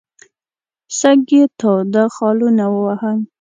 سږ یې تاوده خالونه ووهل.